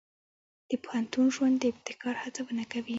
د پوهنتون ژوند د ابتکار هڅونه کوي.